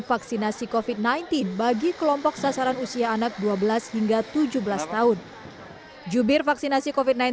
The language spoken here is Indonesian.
vaksinasi kofit sembilan belas bagi kelompok sasaran usia anak dua belas hingga tujuh belas tahun jubir vaksinasi covid sembilan belas